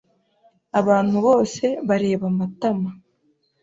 Abantu bose bareba Matama.